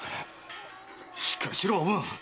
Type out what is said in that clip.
しっかりしろおぶん。